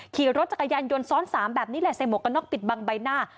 ขี่รถจักรยานยนต์ซ้อน๓แบบนี้แหละใส่หมวกกันน็อกปิดบังใบหน้า